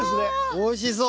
おいしそう！